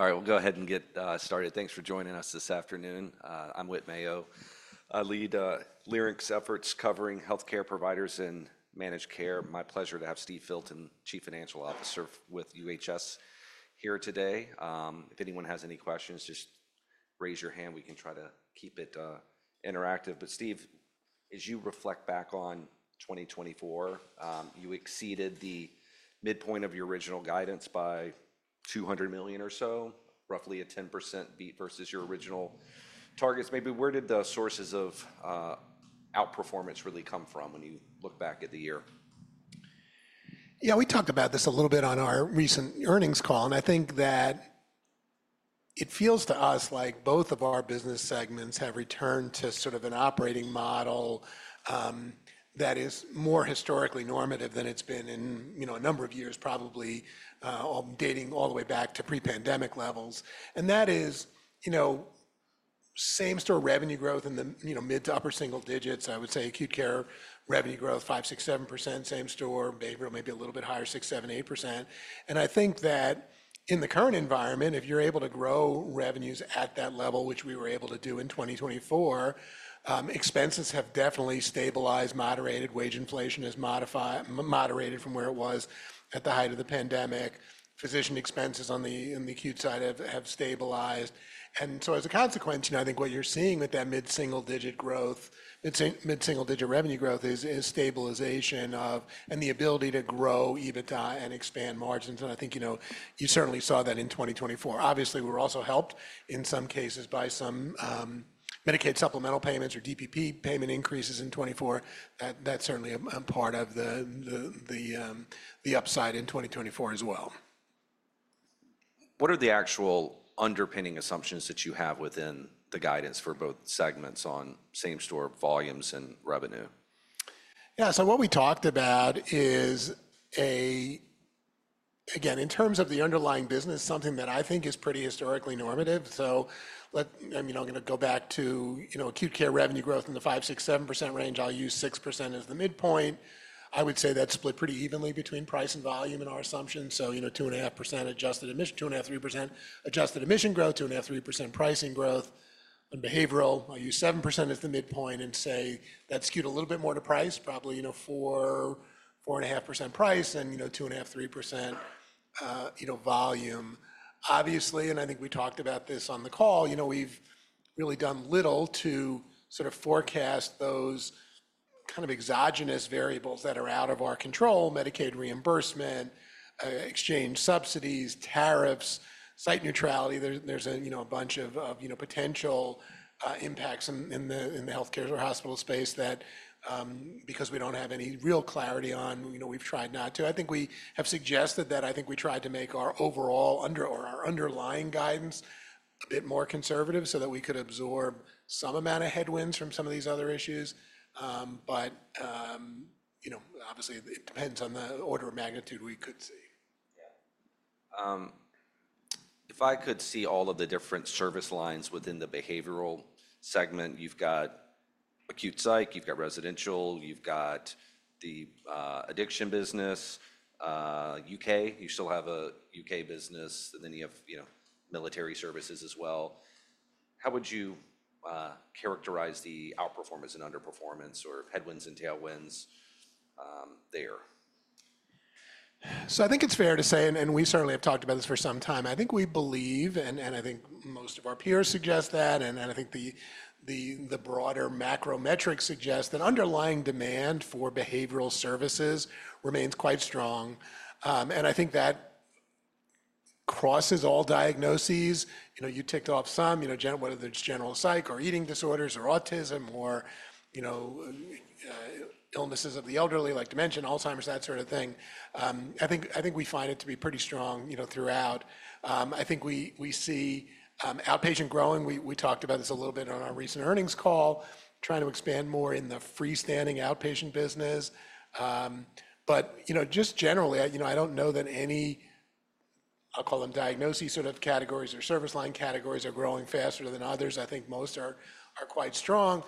All right, we'll go ahead and get started. Thanks for joining us this afternoon. I'm Whit Mayo. I lead Leerink's efforts covering healthcare providers and managed care. My pleasure to have Steve Filton, Chief Financial Officer with UHS, here today. If anyone has any questions, just raise your hand. We can try to keep it interactive. Steve, as you reflect back on 2024, you exceeded the midpoint of your original guidance by $200 million or so, roughly a 10% beat versus your original targets. Maybe where did the sources of outperformance really come from when you look back at the year? Yeah, we talked about this a little bit on our recent earnings call, and I think that it feels to us like both of our business segments have returned to sort of an operating model that is more historically normative than it's been in a number of years, probably dating all the way back to pre-pandemic levels. That is, you know, same-store revenue growth in the mid to upper single digits. I would say acute care revenue growth, 5-7%, same-store, behavioral maybe a little bit higher, 6-8%. I think that in the current environment, if you're able to grow revenues at that level, which we were able to do in 2024, expenses have definitely stabilized, moderated. Wage inflation has moderated from where it was at the height of the pandemic. Physician expenses on the acute side have stabilized. As a consequence, you know, I think what you're seeing with that mid-single digit growth, mid-single digit revenue growth is stabilization of and the ability to grow EBITDA and expand margins. I think, you know, you certainly saw that in 2024. Obviously, we were also helped in some cases by some Medicaid supplemental payments or DPP payment increases in 2024. That's certainly a part of the upside in 2024 as well. What are the actual underpinning assumptions that you have within the guidance for both segments on same-store volumes and revenue? Yeah, what we talked about is, again, in terms of the underlying business, something that I think is pretty historically normative. I mean, I'm going to go back to, you know, acute care revenue growth in the 5-7% range. I'll use 6% as the midpoint. I would say that's split pretty evenly between price and volume in our assumption. You know, 2.5% adjusted admission, 2.5-3% adjusted admission growth, 2.5-3% pricing growth. And behavioral, I'll use 7% as the midpoint and say that's skewed a little bit more to price, probably, you know, 4.5% price and, you know, 2.5-3% volume. Obviously, and I think we talked about this on the call, we've really done little to sort of forecast those kind of exogenous variables that are out of our control, Medicaid reimbursement, exchange subsidies, tariffs, site neutrality. There's a, you know, a bunch of, you know, potential impacts in the healthcare or hospital space that, because we don't have any real clarity on, you know, we've tried not to. I think we have suggested that. I think we tried to make our overall underlying guidance a bit more conservative so that we could absorb some amount of headwinds from some of these other issues. You know, obviously, it depends on the order of magnitude we could see. Yeah. If I could see all of the different service lines within the behavioral segment, you've got acute psych, you've got residential, you've got the addiction business, U.K. You still have a U.K. business, and then you have, you know, military services as well. How would you characterize the outperformance and underperformance or headwinds and tailwinds there? I think it's fair to say, and we certainly have talked about this for some time, I think we believe, and I think most of our peers suggest that, and I think the broader macro metrics suggest that underlying demand for behavioral services remains quite strong. I think that crosses all diagnoses. You know, you ticked off some, you know, whether it's general psych or eating disorders or autism or, you know, illnesses of the elderly like dementia, Alzheimer's, that sort of thing. I think we find it to be pretty strong, you know, throughout. I think we see outpatient growing. We talked about this a little bit on our recent earnings call, trying to expand more in the freestanding outpatient business. You know, just generally, you know, I don't know that any, I'll call them diagnoses sort of categories or service line categories are growing faster than others. I think most are quite strong.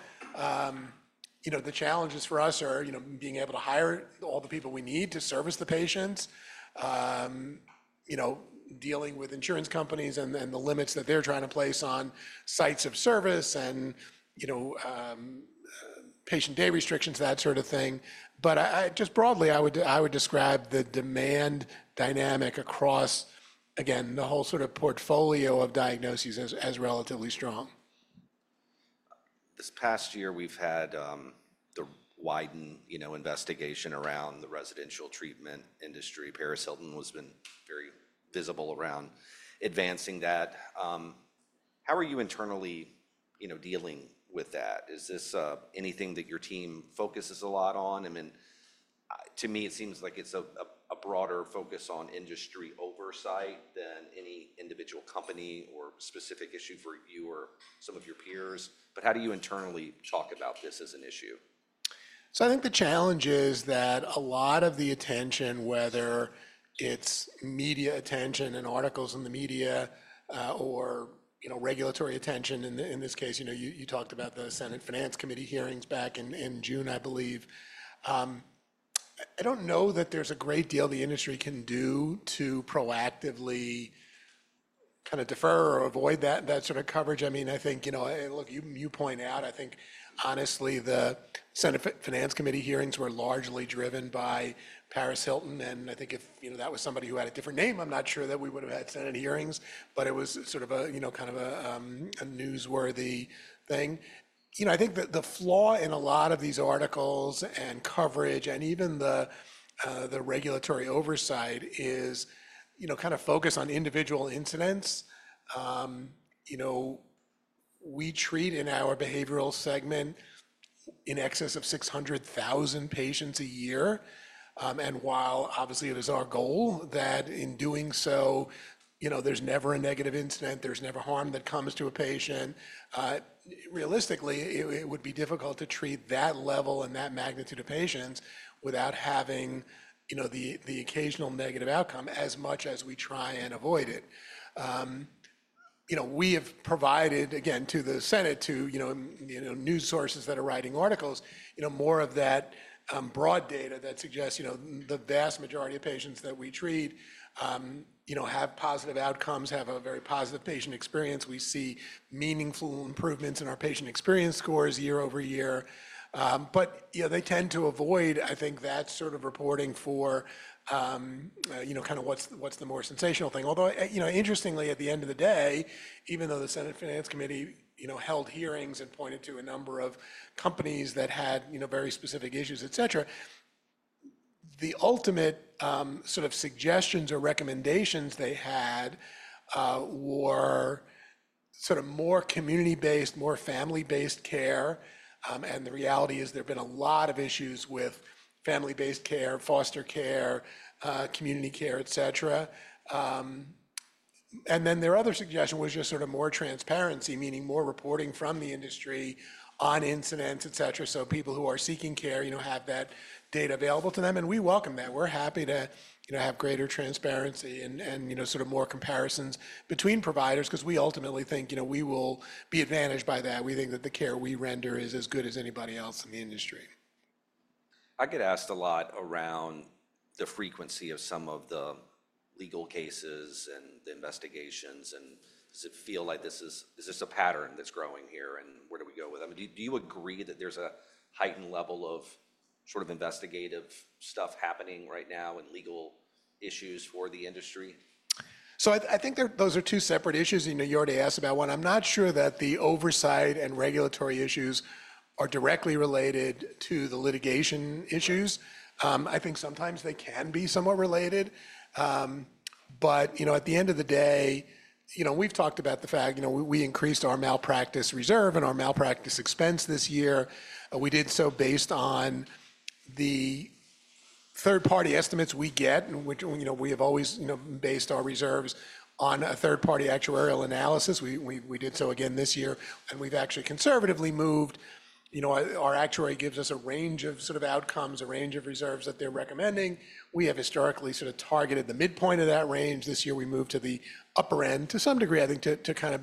You know, the challenges for us are, you know, being able to hire all the people we need to service the patients, you know, dealing with insurance companies and the limits that they're trying to place on sites of service and, you know, patient day restrictions, that sort of thing. Just broadly, I would describe the demand dynamic across, again, the whole sort of portfolio of diagnoses as relatively strong. This past year, we've had the wyden, you know, investigation around the residential treatment industry. Paris Hilton has been very visible around advancing that. How are you internally, you know, dealing with that? Is this anything that your team focuses a lot on? I mean, to me, it seems like it's a broader focus on industry oversight than any individual company or specific issue for you or some of your peers. How do you internally talk about this as an issue? I think the challenge is that a lot of the attention, whether it's media attention and articles in the media or, you know, regulatory attention in this case, you know, you talked about the Senate Finance Committee hearings back in June, I believe. I don't know that there's a great deal the industry can do to proactively kind of defer or avoid that sort of coverage. I mean, I think, you know, look, you point out, I think, honestly, the Senate Finance Committee hearings were largely driven by Paris Hilton. And I think if, you know, that was somebody who had a different name, I'm not sure that we would have had Senate hearings, but it was sort of a, you know, kind of a newsworthy thing. You know, I think that the flaw in a lot of these articles and coverage and even the regulatory oversight is, you know, kind of focus on individual incidents. You know, we treat in our behavioral segment in excess of 600,000 patients a year. And while obviously it is our goal that in doing so, you know, there's never a negative incident, there's never harm that comes to a patient, realistically, it would be difficult to treat that level and that magnitude of patients without having, you know, the occasional negative outcome as much as we try and avoid it. You know, we have provided, again, to the Senate, to, you know, news sources that are writing articles, you know, more of that broad data that suggests, you know, the vast majority of patients that we treat, you know, have positive outcomes, have a very positive patient experience. We see meaningful improvements in our patient experience scores year over year. You know, they tend to avoid, I think, that sort of reporting for, you know, kind of what's the more sensational thing. Although, you know, interestingly, at the end of the day, even though the Senate Finance Committee, you know, held hearings and pointed to a number of companies that had, you know, very specific issues, et cetera, the ultimate sort of suggestions or recommendations they had were sort of more community-based, more family-based care. The reality is there have been a lot of issues with family-based care, foster care, community care, et cetera. Their other suggestion was just sort of more transparency, meaning more reporting from the industry on incidents, et cetera. People who are seeking care, you know, have that data available to them. We welcome that. We're happy to, you know, have greater transparency and, you know, sort of more comparisons between providers because we ultimately think, you know, we will be advantaged by that. We think that the care we render is as good as anybody else in the industry. I get asked a lot around the frequency of some of the legal cases and the investigations. Does it feel like this is, is this a pattern that's growing here and where do we go with them? Do you agree that there's a heightened level of sort of investigative stuff happening right now in legal issues for the industry? I think those are two separate issues. You know, you already asked about one. I'm not sure that the oversight and regulatory issues are directly related to the litigation issues. I think sometimes they can be somewhat related. You know, at the end of the day, you know, we've talked about the fact, you know, we increased our malpractice reserve and our malpractice expense this year. We did so based on the third-party estimates we get, which, you know, we have always, you know, based our reserves on a third-party actuarial analysis. We did so again this year. We've actually conservatively moved, you know, our actuary gives us a range of sort of outcomes, a range of reserves that they're recommending. We have historically sort of targeted the midpoint of that range. This year, we moved to the upper end to some degree, I think, to kind of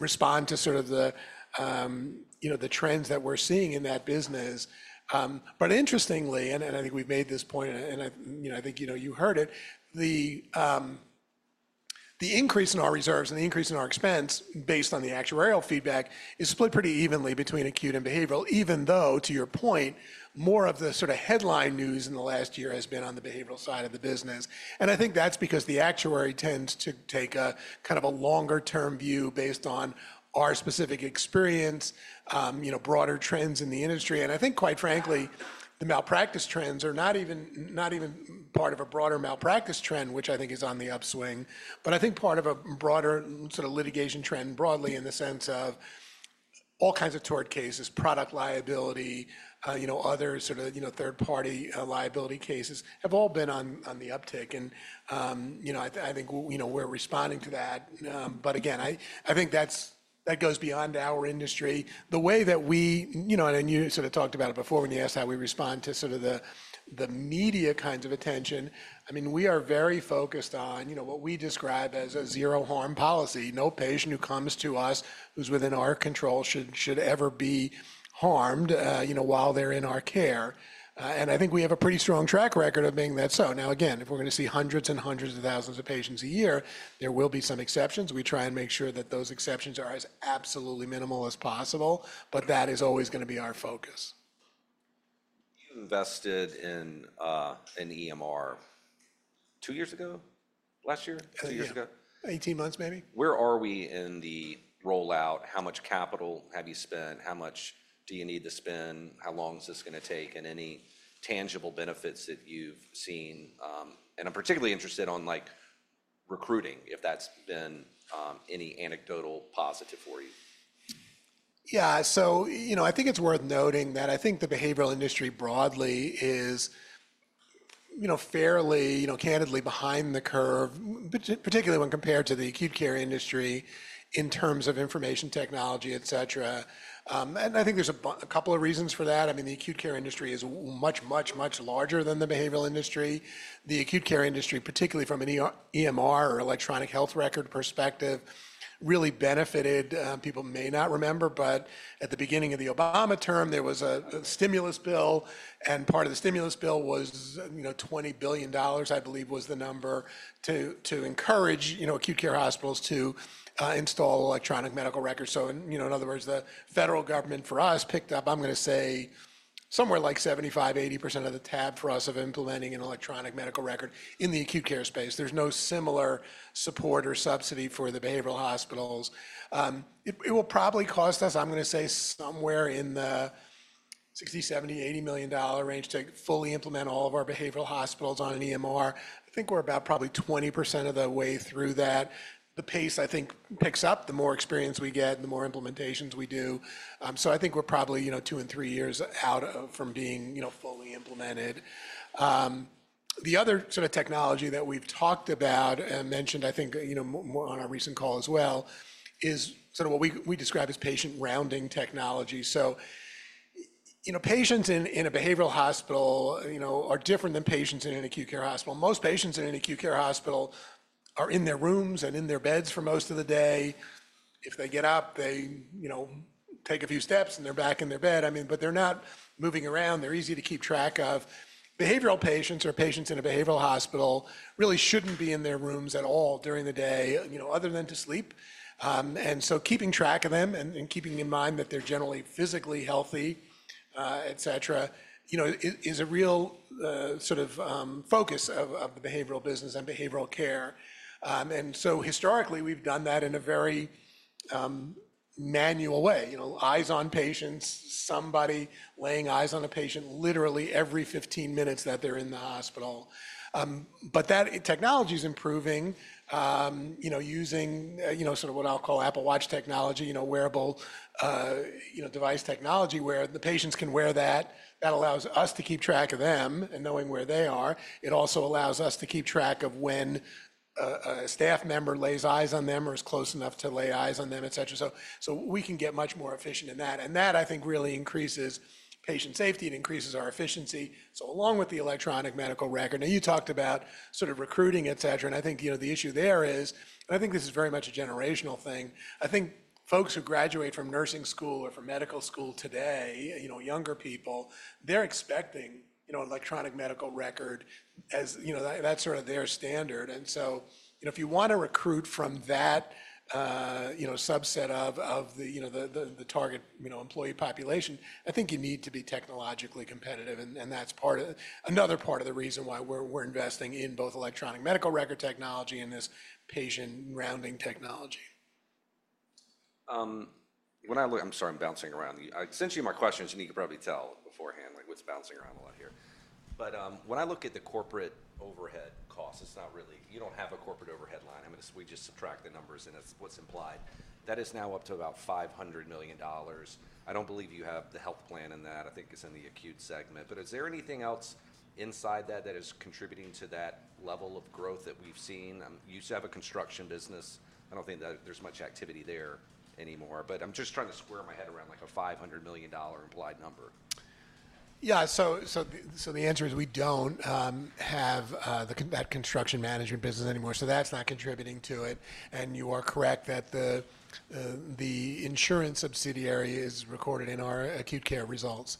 respond to sort of the, you know, the trends that we're seeing in that business. Interestingly, and I think we've made this point, and I, you know, I think, you know, you heard it, the increase in our reserves and the increase in our expense based on the actuarial feedback is split pretty evenly between acute and behavioral, even though, to your point, more of the sort of headline news in the last year has been on the behavioral side of the business. I think that's because the actuary tends to take a kind of a longer-term view based on our specific experience, you know, broader trends in the industry. I think, quite frankly, the malpractice trends are not even part of a broader malpractice trend, which I think is on the upswing. I think part of a broader sort of litigation trend broadly in the sense of all kinds of tort cases, product liability, you know, other sort of, you know, third-party liability cases have all been on the uptick. You know, I think, you know, we're responding to that. Again, I think that goes beyond our industry. The way that we, you know, and you sort of talked about it before when you asked how we respond to sort of the media kinds of attention, I mean, we are very focused on, you know, what we describe as a zero-harm policy. No patient who comes to us who's within our control should ever be harmed, you know, while they're in our care. I think we have a pretty strong track record of being that. Now, again, if we're going to see hundreds and hundreds of thousands of patients a year, there will be some exceptions. We try and make sure that those exceptions are as absolutely minimal as possible. That is always going to be our focus. You invested in an EMR two years ago? Last year? Two years ago? 18 months, maybe. Where are we in the rollout? How much capital have you spent? How much do you need to spend? How long is this going to take? Any tangible benefits that you've seen? I'm particularly interested on, like, recruiting, if that's been any anecdotal positive for you. Yeah. You know, I think it's worth noting that I think the behavioral industry broadly is, you know, fairly, you know, candidly behind the curve, particularly when compared to the acute care industry in terms of information technology, et cetera. I think there's a couple of reasons for that. I mean, the acute care industry is much, much, much larger than the behavioral industry. The acute care industry, particularly from an EMR or electronic health record perspective, really benefited. People may not remember, but at the beginning of the Obama term, there was a stimulus bill. Part of the stimulus bill was, you know, $20 billion, I believe was the number to encourage, you know, acute care hospitals to install electronic medical records. You know, in other words, the federal government for us picked up, I'm going to say, somewhere like 75%-80% of the tab for us of implementing an electronic medical record in the acute care space. There's no similar support or subsidy for the behavioral hospitals. It will probably cost us, I'm going to say, somewhere in the $60 million-$80 million range to fully implement all of our behavioral hospitals on an EMR. I think we're about probably 20% of the way through that. The pace, I think, picks up the more experience we get and the more implementations we do. I think we're probably, you know, two and three years out from being, you know, fully implemented. The other sort of technology that we've talked about and mentioned, I think, you know, on our recent call as well, is sort of what we describe as patient rounding technology. You know, patients in a behavioral hospital, you know, are different than patients in an acute care hospital. Most patients in an acute care hospital are in their rooms and in their beds for most of the day. If they get up, they, you know, take a few steps and they're back in their bed. I mean, but they're not moving around. They're easy to keep track of. Behavioral patients or patients in a behavioral hospital really shouldn't be in their rooms at all during the day, you know, other than to sleep. Keeping track of them and keeping in mind that they're generally physically healthy, et cetera, you know, is a real sort of focus of the behavioral business and behavioral care. Historically, we've done that in a very manual way. You know, eyes on patients, somebody laying eyes on a patient literally every 15 minutes that they're in the hospital. That technology is improving, you know, using, you know, sort of what I'll call Apple Watch technology, you know, wearable, you know, device technology where the patients can wear that. That allows us to keep track of them and knowing where they are. It also allows us to keep track of when a staff member lays eyes on them or is close enough to lay eyes on them, et cetera. We can get much more efficient in that. I think that really increases patient safety and increases our efficiency. Along with the electronic medical record, now you talked about sort of recruiting, et cetera. I think, you know, the issue there is, and I think this is very much a generational thing. I think folks who graduate from nursing school or from medical school today, you know, younger people, they're expecting, you know, an electronic medical record as, you know, that's sort of their standard. If you want to recruit from that, you know, subset of the, you know, the target, you know, employee population, I think you need to be technologically competitive. That's part of another part of the reason why we're investing in both electronic medical record technology and this patient rounding technology. When I look, I'm sorry, I'm bouncing around. Essentially, my questions, and you can probably tell beforehand, like what's bouncing around a lot here. When I look at the corporate overhead costs, it's not really, you don't have a corporate overhead line. I mean, we just subtract the numbers and it's what's implied. That is now up to about $500 million. I don't believe you have the health plan in that. I think it's in the acute segment. Is there anything else inside that that is contributing to that level of growth that we've seen? You used to have a construction business. I don't think there's much activity there anymore. I'm just trying to square my head around like a $500 million implied number. Yeah. The answer is we don't have that construction management business anymore. That's not contributing to it. You are correct that the insurance subsidiary is recorded in our acute care results.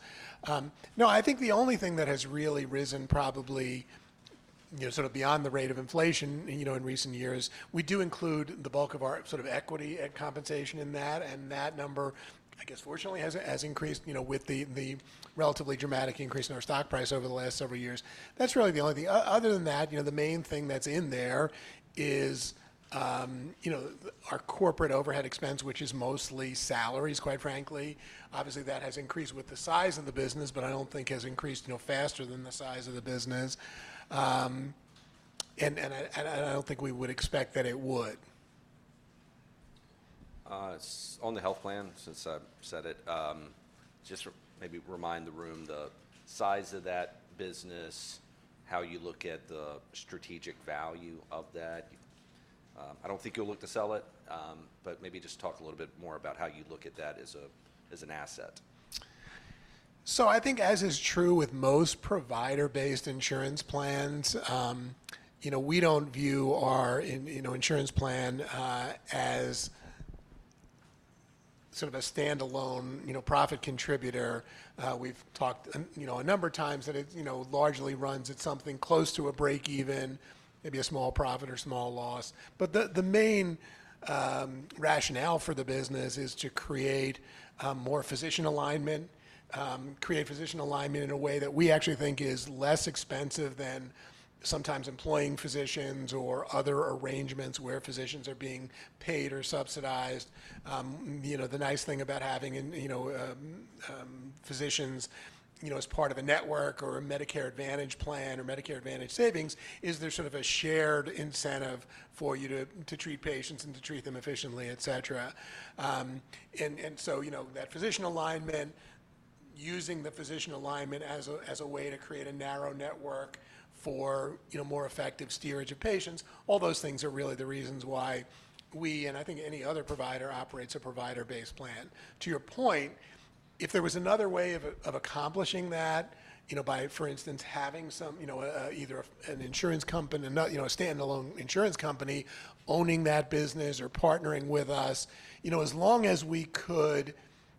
No, I think the only thing that has really risen probably, you know, sort of beyond the rate of inflation in recent years, we do include the bulk of our sort of equity compensation in that. That number, I guess, fortunately has increased, you know, with the relatively dramatic increase in our stock price over the last several years. That's really the only thing. Other than that, you know, the main thing that's in there is, you know, our corporate overhead expense, which is mostly salaries, quite frankly. Obviously, that has increased with the size of the business, but I don't think has increased, you know, faster than the size of the business. I don't think we would expect that it would. On the health plan, since I said it, just maybe remind the room the size of that business, how you look at the strategic value of that. I don't think you'll look to sell it, but maybe just talk a little bit more about how you look at that as an asset. I think as is true with most provider-based insurance plans, you know, we don't view our, you know, insurance plan as sort of a standalone, you know, profit contributor. We've talked, you know, a number of times that it, you know, largely runs at something close to a break-even, maybe a small profit or small loss. The main rationale for the business is to create more physician alignment, create physician alignment in a way that we actually think is less expensive than sometimes employing physicians or other arrangements where physicians are being paid or subsidized. You know, the nice thing about having, you know, physicians, you know, as part of a network or a Medicare Advantage plan or Medicare Advantage savings is there's sort of a shared incentive for you to treat patients and to treat them efficiently, et cetera. You know, that physician alignment, using the physician alignment as a way to create a narrow network for, you know, more effective steerage of patients, all those things are really the reasons why we, and I think any other provider, operates a provider-based plan. To your point, if there was another way of accomplishing that, you know, by, for instance, having some, you know, either an insurance company, you know, a standalone insurance company owning that business or partnering with us, you know, as long as we could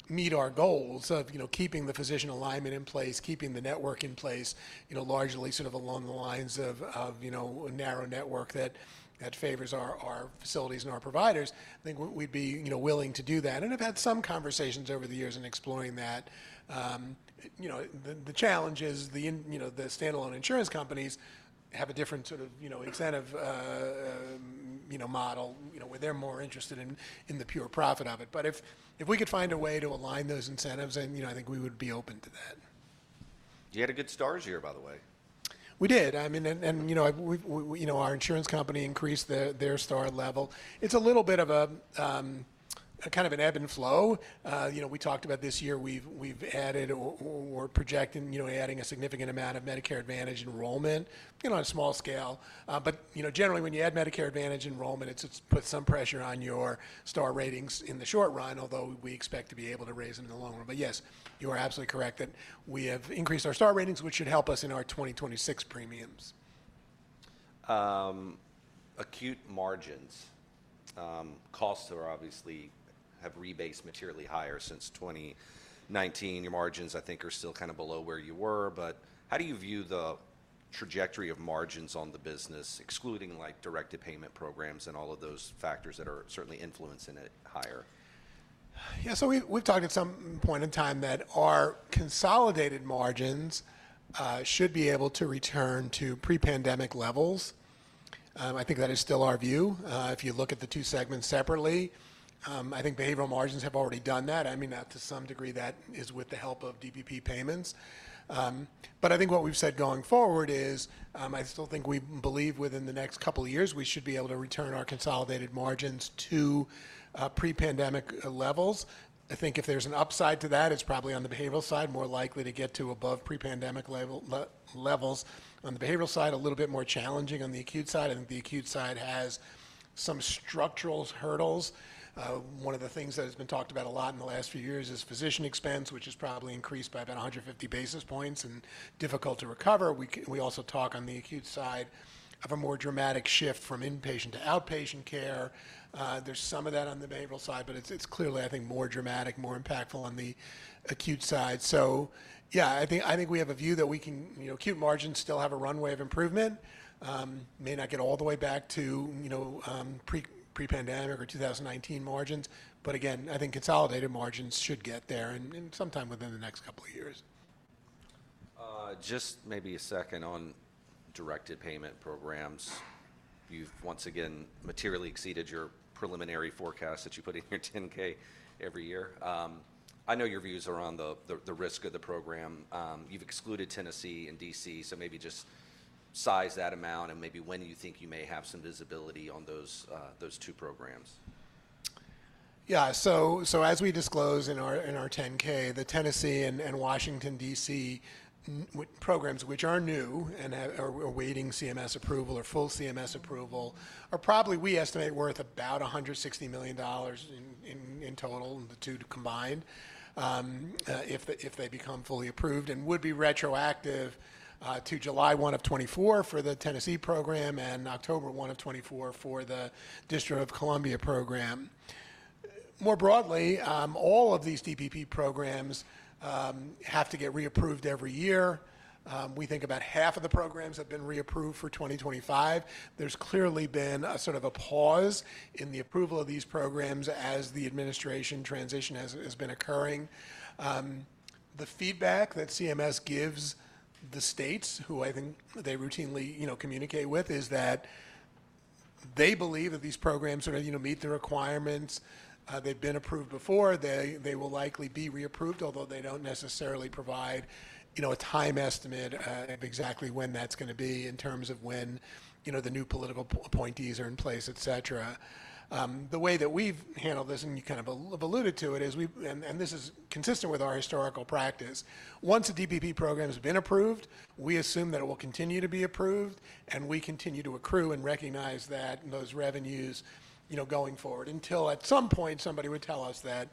meet our goals of, you know, keeping the physician alignment in place, keeping the network in place, you know, largely sort of along the lines of, you know, a narrow network that favors our facilities and our providers, I think we'd be, you know, willing to do that. I have had some conversations over the years in exploring that. You know, the challenge is the, you know, the standalone insurance companies have a different sort of, you know, incentive, you know, model, you know, where they're more interested in the pure profit of it. If we could find a way to align those incentives, then, you know, I think we would be open to that. You had a good Star Ratings year, by the way. We did. I mean, and, you know, our insurance company increased their Star level. It's a little bit of a kind of an ebb and flow. You know, we talked about this year, we've added or projected, you know, adding a significant amount of Medicare Advantage enrollment, you know, on a small scale. You know, generally, when you add Medicare Advantage enrollment, it puts some pressure on your Star ratings in the short run, although we expect to be able to raise them in the long run. Yes, you are absolutely correct that we have increased our Star ratings, which should help us in our 2026 premiums. Acute margins, costs are obviously have rebased materially higher since 2019. Your margins, I think, are still kind of below where you were. How do you view the trajectory of margins on the business, excluding like directed payment programs and all of those factors that are certainly influencing it higher? Yeah. We have talked at some point in time that our consolidated margins should be able to return to pre-pandemic levels. I think that is still our view. If you look at the two segments separately, I think behavioral margins have already done that. I mean, to some degree, that is with the help of DPP payments. I think what we have said going forward is I still think we believe within the next couple of years, we should be able to return our consolidated margins to pre-pandemic levels. I think if there is an upside to that, it is probably on the behavioral side, more likely to get to above pre-pandemic levels. On the behavioral side, a little bit more challenging. On the acute side, I think the acute side has some structural hurdles. One of the things that has been talked about a lot in the last few years is physician expense, which has probably increased by about 150 basis points and is difficult to recover. We also talk on the acute side of a more dramatic shift from inpatient to outpatient care. There is some of that on the behavioral side, but it is clearly, I think, more dramatic, more impactful on the acute side. Yeah, I think we have a view that we can, you know, acute margins still have a runway of improvement. May not get all the way back to, you know, pre-pandemic or 2019 margins. Again, I think consolidated margins should get there and sometime within the next couple of years. Just maybe a second on directed payment programs. You've once again materially exceeded your preliminary forecast that you put in your 10-K every year. I know your views are on the risk of the program. You've excluded Tennessee and D.C., so maybe just size that amount and maybe when you think you may have some visibility on those two programs. Yeah. As we disclose in our 10-K, the Tennessee and Washington, D.C. programs, which are new and are awaiting CMS approval or full CMS approval, are probably, we estimate, worth about $160 million in total and the two combined if they become fully approved and would be retroactive to July 1 of 2024 for the Tennessee program and October 1 of 2024 for the District of Columbia program. More broadly, all of these DPP programs have to get reapproved every year. We think about half of the programs have been reapproved for 2025. There's clearly been a sort of a pause in the approval of these programs as the administration transition has been occurring. The feedback that CMS gives the states, who I think they routinely, you know, communicate with, is that they believe that these programs sort of, you know, meet the requirements. They've been approved before. They will likely be reapproved, although they don't necessarily provide, you know, a time estimate of exactly when that's going to be in terms of when, you know, the new political appointees are in place, et cetera. The way that we've handled this, and you kind of have alluded to it, is we, and this is consistent with our historical practice, once a DPP program has been approved, we assume that it will continue to be approved and we continue to accrue and recognize that and those revenues, you know, going forward until at some point somebody would tell us that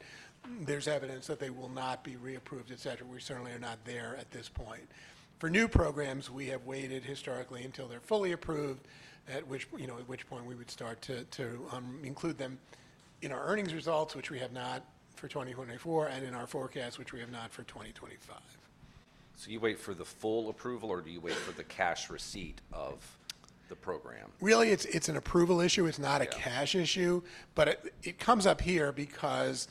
there's evidence that they will not be reapproved, et cetera. We certainly are not there at this point. For new programs, we have waited historically until they're fully approved, at which, you know, at which point we would start to include them in our earnings results, which we have not for 2024, and in our forecast, which we have not for 2025. Do you wait for the full approval or do you wait for the cash receipt of the program? Really, it's an approval issue. It's not a cash issue. It comes up here because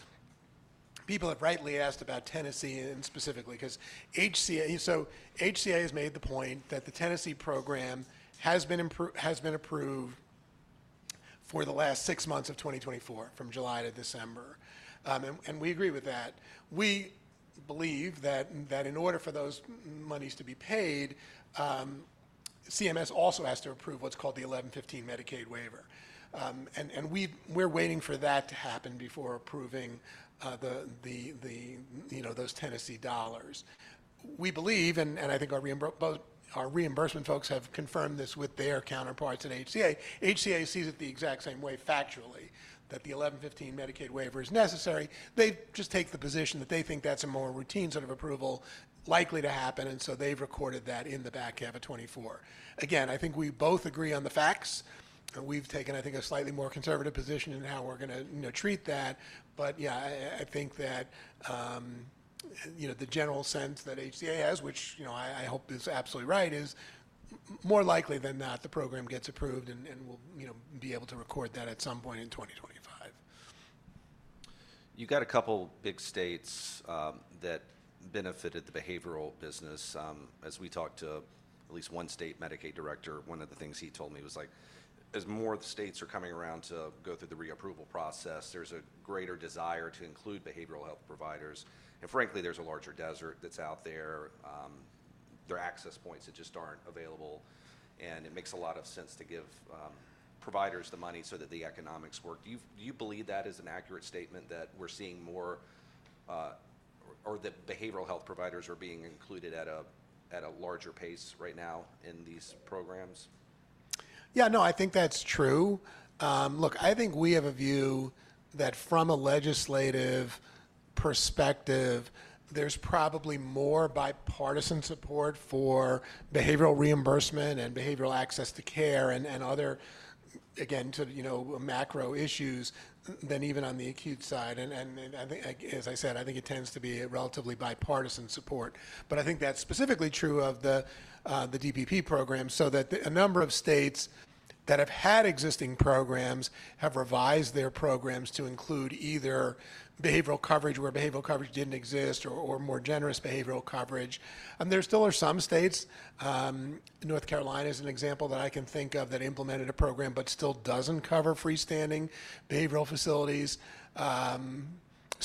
people have rightly asked about Tennessee and specifically because HCA, so HCA has made the point that the Tennessee program has been approved for the last six months of 2024 from July to December. We agree with that. We believe that in order for those monies to be paid, CMS also has to approve what's called the 1115 Medicaid waiver. We're waiting for that to happen before approving the, you know, those Tennessee dollars. We believe, and I think our reimbursement folks have confirmed this with their counterparts at HCA, HCA sees it the exact same way factually that the 1115 Medicaid waiver is necessary. They just take the position that they think that's a more routine sort of approval likely to happen. They've recorded that in the back half of 2024. Again, I think we both agree on the facts. We've taken, I think, a slightly more conservative position in how we're going to, you know, treat that. Yeah, I think that, you know, the general sense that HCA has, which, you know, I hope is absolutely right, is more likely than not the program gets approved and we'll, you know, be able to record that at some point in 2025. You've got a couple big states that benefited the behavioral business. As we talked to at least one state Medicaid director, one of the things he told me was like, as more states are coming around to go through the reapproval process, there's a greater desire to include behavioral health providers. And frankly, there's a larger desert that's out there. There are access points that just aren't available. It makes a lot of sense to give providers the money so that the economics work. Do you believe that is an accurate statement that we're seeing more or that behavioral health providers are being included at a larger pace right now in these programs? Yeah. No, I think that's true. Look, I think we have a view that from a legislative perspective, there's probably more bipartisan support for behavioral reimbursement and behavioral access to care and other, again, you know, macro issues than even on the acute side. I think, as I said, I think it tends to be a relatively bipartisan support. I think that's specifically true of the DPP program so that a number of states that have had existing programs have revised their programs to include either behavioral coverage where behavioral coverage didn't exist or more generous behavioral coverage. There still are some states, North Carolina is an example that I can think of that implemented a program but still doesn't cover freestanding behavioral facilities.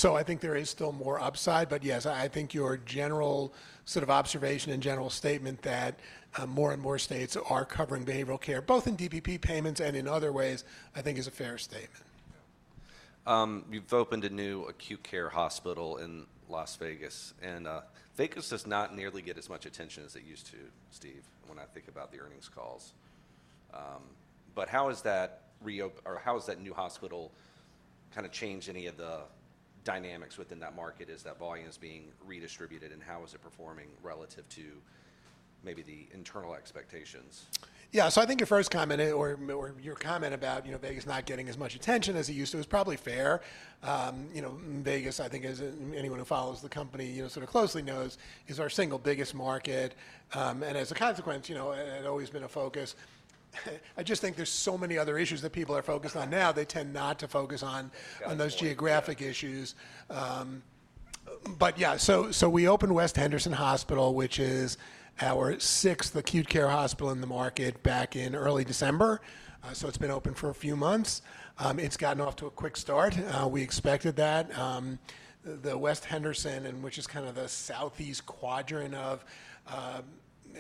I think there is still more upside. Yes, I think your general sort of observation and general statement that more and more states are covering behavioral care, both in DPP payments and in other ways, I think is a fair statement. You've opened a new acute care hospital in Las Vegas. Vegas does not nearly get as much attention as it used to, Steve, when I think about the earnings calls. How is that, or how has that new hospital kind of changed any of the dynamics within that market as that volume is being redistributed? How is it performing relative to maybe the internal expectations? Yeah. I think your first comment or your comment about, you know, Vegas not getting as much attention as it used to is probably fair. You know, Vegas, I think, as anyone who follows the company, you know, sort of closely knows, is our single biggest market. As a consequence, you know, it had always been a focus. I just think there are so many other issues that people are focused on now. They tend not to focus on those geographic issues. Yeah, we opened West Henderson Hospital, which is our sixth acute care hospital in the market back in early December. It has been open for a few months. It has gotten off to a quick start. We expected that. The West Henderson, which is kind of the southeast quadrant of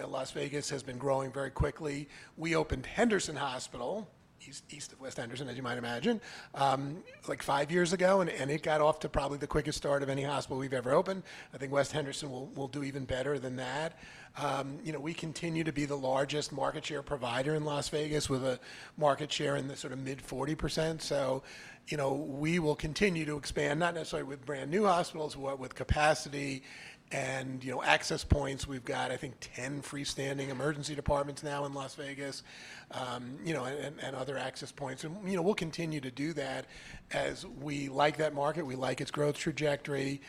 Las Vegas, has been growing very quickly. We opened Henderson Hospital, east of West Henderson, as you might imagine, like five years ago, and it got off to probably the quickest start of any hospital we've ever opened. I think West Henderson will do even better than that. You know, we continue to be the largest market share provider in Las Vegas with a market share in the sort of mid 40%. You know, we will continue to expand, not necessarily with brand new hospitals, but with capacity and, you know, access points. We've got, I think, 10 freestanding emergency departments now in Las Vegas, you know, and other access points. You know, we'll continue to do that as we like that market. We like its growth trajectory.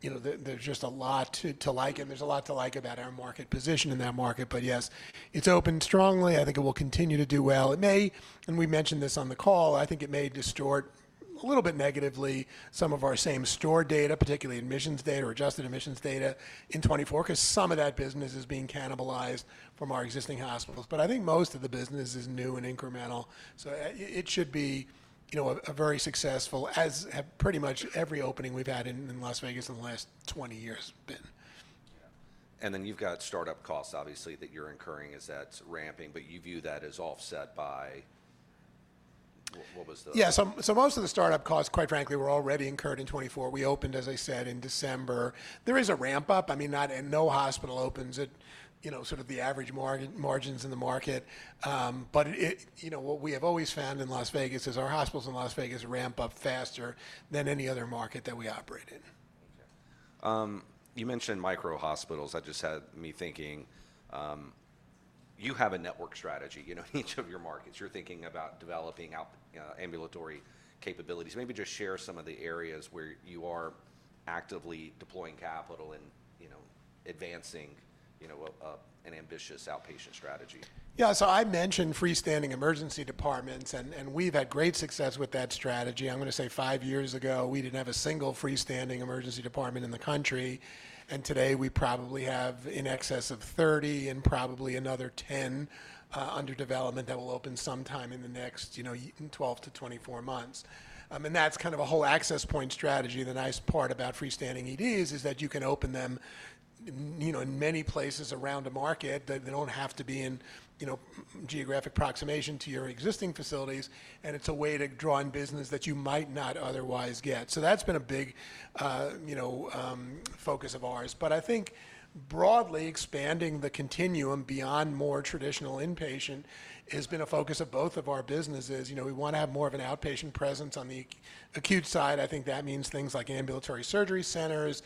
You know, there's just a lot to like it. There's a lot to like about our market position in that market. Yes, it's opened strongly. I think it will continue to do well. It may, and we mentioned this on the call, I think it may distort a little bit negatively some of our same store data, particularly admissions data or adjusted admissions data in 2024, because some of that business is being cannibalized from our existing hospitals. I think most of the business is new and incremental. It should be, you know, a very successful, as have pretty much every opening we've had in Las Vegas in the last 20 years been. You have startup costs, obviously, that you're incurring. Is that ramping? You view that as offset by what was the? Yeah. Most of the startup costs, quite frankly, were already incurred in 2024. We opened, as I said, in December. There is a ramp up. I mean, no hospital opens at, you know, sort of the average margins in the market. But, you know, what we have always found in Las Vegas is our hospitals in Las Vegas ramp up faster than any other market that we operate in. You mentioned micro hospitals. That just had me thinking. You have a network strategy, you know, in each of your markets. You're thinking about developing ambulatory capabilities. Maybe just share some of the areas where you are actively deploying capital and, you know, advancing, you know, an ambitious outpatient strategy. Yeah. I mentioned freestanding emergency departments, and we've had great success with that strategy. I'm going to say five years ago, we didn't have a single freestanding emergency department in the country. Today we probably have in excess of 30 and probably another 10 under development that will open sometime in the next, you know, 12-24 months. That's kind of a whole access point strategy. The nice part about freestanding EDs is that you can open them, you know, in many places around a market that they don't have to be in, you know, geographic proximation to your existing facilities. It's a way to draw in business that you might not otherwise get. That's been a big, you know, focus of ours. I think broadly expanding the continuum beyond more traditional inpatient has been a focus of both of our businesses. You know, we want to have more of an outpatient presence on the acute side. I think that means things like ambulatory surgery centers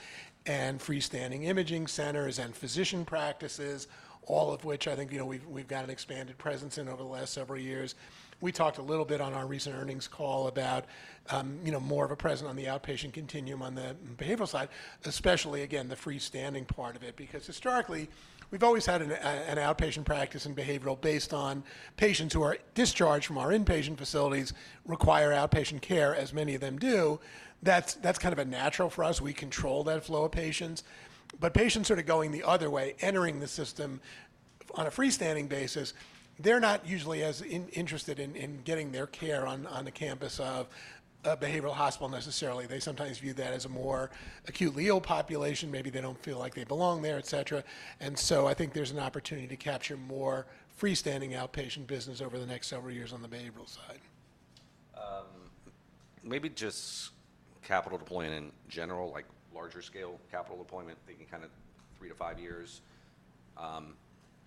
and freestanding imaging centers and physician practices, all of which I think, you know, we've got an expanded presence in over the last several years. We talked a little bit on our recent earnings call about, you know, more of a presence on the outpatient continuum on the behavioral side, especially again, the freestanding part of it, because historically we've always had an outpatient practice in behavioral based on patients who are discharged from our inpatient facilities require outpatient care, as many of them do. That's kind of a natural for us. We control that flow of patients. Patients sort of going the other way, entering the system on a freestanding basis, they're not usually as interested in getting their care on the campus of a behavioral hospital necessarily. They sometimes view that as a more acutely ill population. Maybe they don't feel like they belong there, et cetera. I think there's an opportunity to capture more freestanding outpatient business over the next several years on the behavioral side. Maybe just capital deployment in general, like larger scale capital deployment, thinking kind of three to five years.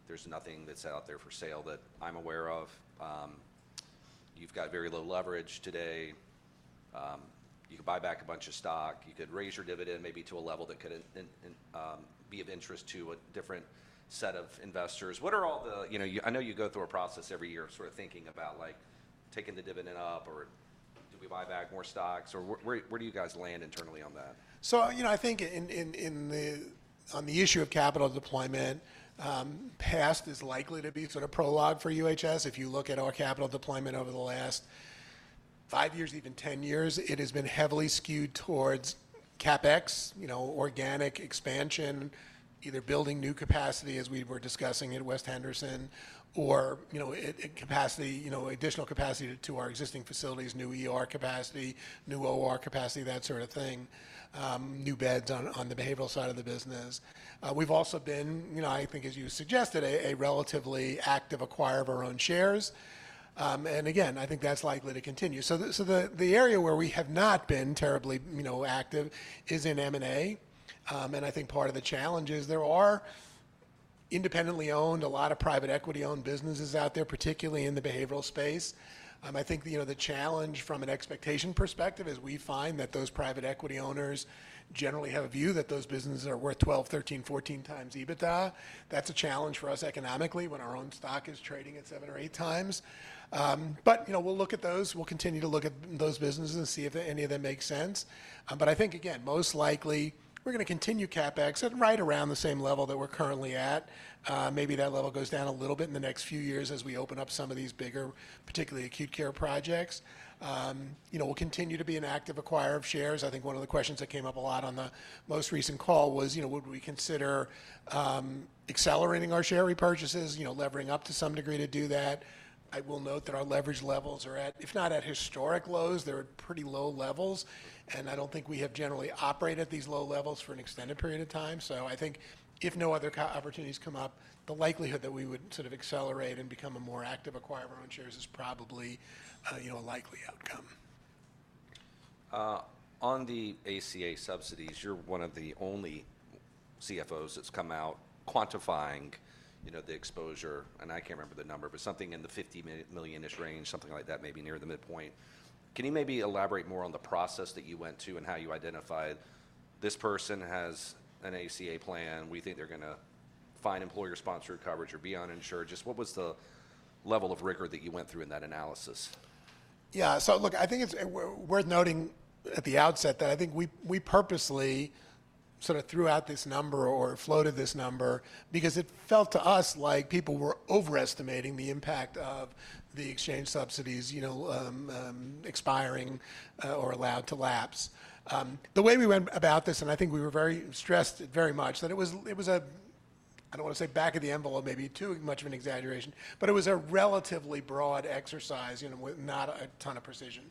There's nothing that's out there for sale that I'm aware of. You've got very low leverage today. You can buy back a bunch of stock. You could raise your dividend maybe to a level that could be of interest to a different set of investors. What are all the, you know, I know you go through a process every year sort of thinking about like taking the dividend up or do we buy back more stocks or where do you guys land internally on that? You know, I think on the issue of capital deployment, past is likely to be sort of prologue for UHS. If you look at our capital deployment over the last five years, even 10 years, it has been heavily skewed towards CapEx, you know, organic expansion, either building new capacity as we were discussing at West Henderson or, you know, capacity, you know, additional capacity to our existing facilities, new capacity, new OR capacity, that sort of thing, new beds on the behavioral side of the business. We have also been, you know, I think as you suggested, a relatively active acquirer of our own shares. I think that is likely to continue. The area where we have not been terribly, you know, active is in M&A. I think part of the challenge is there are independently owned, a lot of private equity owned businesses out there, particularly in the behavioral space. I think, you know, the challenge from an expectation perspective is we find that those private equity owners generally have a view that those businesses are worth 12, 13, 14 times EBITDA. That is a challenge for us economically when our own stock is trading at seven or eight times. You know, we will look at those. We will continue to look at those businesses and see if any of them make sense. I think, again, most likely we are going to continue CapEx at right around the same level that we are currently at. Maybe that level goes down a little bit in the next few years as we open up some of these bigger, particularly acute care projects. You know, we'll continue to be an active acquirer of shares. I think one of the questions that came up a lot on the most recent call was, you know, would we consider accelerating our share repurchases, you know, levering up to some degree to do that? I will note that our leverage levels are at, if not at historic lows, they're at pretty low levels. I don't think we have generally operated at these low levels for an extended period of time. I think if no other opportunities come up, the likelihood that we would sort of accelerate and become a more active acquirer of our own shares is probably, you know, a likely outcome. On the ACA subsidies, you're one of the only CFOs that's come out quantifying, you know, the exposure. I can't remember the number, but something in the $50 million-ish range, something like that, maybe near the midpoint. Can you maybe elaborate more on the process that you went to and how you identified this person has an ACA plan? We think they're going to find employer-sponsored coverage or be uninsured. Just what was the level of rigor that you went through in that analysis? Yeah. Look, I think it's worth noting at the outset that I think we purposely sort of threw out this number or floated this number because it felt to us like people were overestimating the impact of the exchange subsidies, you know, expiring or allowed to lapse. The way we went about this, and I think we stressed very much that it was, it was a, I don't want to say back of the envelope, maybe too much of an exaggeration, but it was a relatively broad exercise, you know, with not a ton of precision.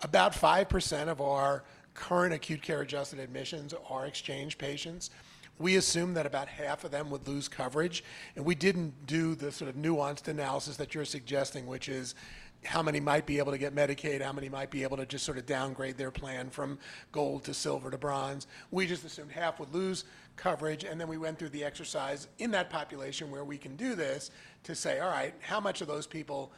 About 5% of our current acute care adjusted admissions are exchange patients. We assumed that about half of them would lose coverage. We did not do the sort of nuanced analysis that you're suggesting, which is how many might be able to get Medicaid, how many might be able to just sort of downgrade their plan from gold to silver to bronze. We just assumed half would lose coverage. We went through the exercise in that population where we can do this to say, all right, how much of those people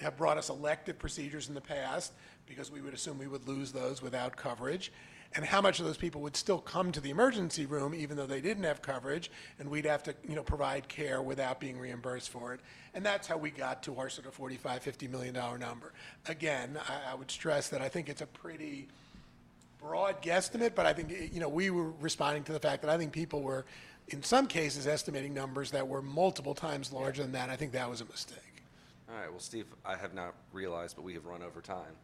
have brought us elective procedures in the past because we would assume we would lose those without coverage? How much of those people would still come to the emergency room even though they did not have coverage and we would have to, you know, provide care without being reimbursed for it? That is how we got to our sort of $45 million-$50 million number. Again, I would stress that I think it's a pretty broad guesstimate, but I think, you know, we were responding to the fact that I think people were in some cases estimating numbers that were multiple times larger than that. I think that was a mistake. All right. Steve, I have not realized, but we have run over time.